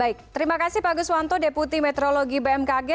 baik terima kasih pak guswanto deputi meteorologi bmkg